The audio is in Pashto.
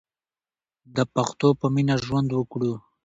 د پښتو په مینه ژوند وکړو.